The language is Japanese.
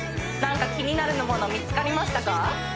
何か気になるもの見つかりましたか？